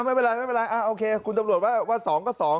ไม่เป็นไรไม่เป็นไรโอเคคุณตำรวจว่า๒ก็๒